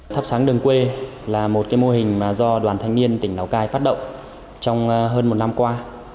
thắp sáng đường quê là một mô hình mà do đoàn thanh niên tỉnh lào cai phát động trong hơn một năm qua